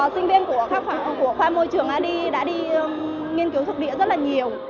sinh viên của khoa môi trường đã đi nghiên cứu súc địa rất nhiều